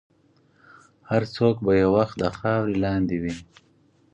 هر څوک به یو وخت د خاورې لاندې وي.